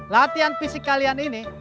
latihan fisik kalian ini